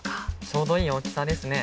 ちょうどいい大きさですね。